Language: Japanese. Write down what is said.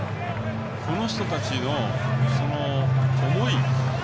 この人たちの思い。